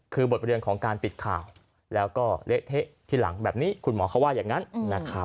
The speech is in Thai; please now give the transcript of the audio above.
คือบทเรียนของการปิดข่าวแล้วก็เละเทะที่หลังแบบนี้คุณหมอเขาว่าอย่างนั้นนะครับ